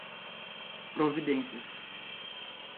providências